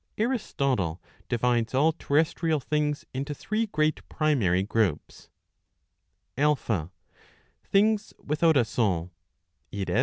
Aristotle divides all terrestrial things into three great primary groups: |^5)^i''^&s without a soul, i.e.